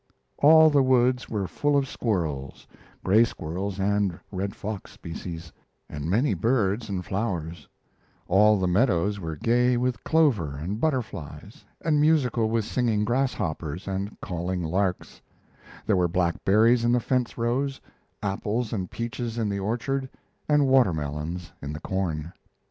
All the woods were full of squirrels gray squirrels and the red fox species and many birds and flowers; all the meadows were gay with clover and butterflies, and musical with singing grasshoppers and calling larks; there were blackberries in the fence rows, apples and peaches in the orchard, and watermelons in the corn.